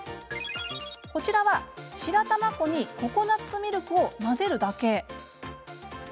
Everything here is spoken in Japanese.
こちらは、白玉粉にココナツミルクを混ぜるだけ。